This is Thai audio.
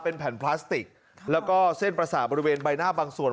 เป็นแผ่นพลาสติกแล้วก็เส้นประสาทบริเวณใบหน้าบางส่วน